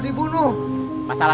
satu dua tiga